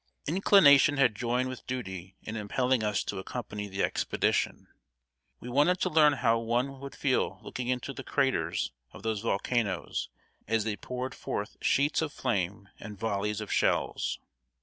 Inclination had joined with duty in impelling us to accompany the expedition. We wanted to learn how one would feel looking into the craters of those volcanoes as they poured forth sheets of flame and volleys of shells.